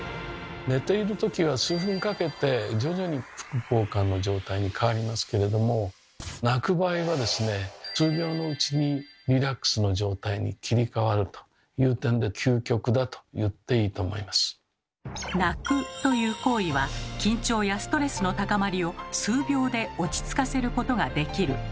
寝ているときは数分かけて徐々に副交感の状態に変わりますけれども泣く場合はですね数秒のうちにリラックスの状態に切り替わるという点で「泣く」という行為は緊張やストレスの高まりを数秒で落ち着かせることができる。